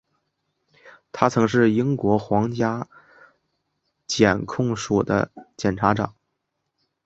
他曾是英国皇家检控署的检察长。